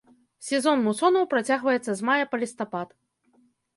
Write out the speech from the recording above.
Сезон мусонаў працягваецца з мая па лістапад.